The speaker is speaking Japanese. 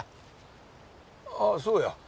ああそうや。